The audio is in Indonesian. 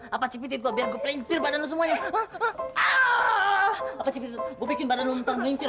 apa cipri gue bikin badan lo ntar melintir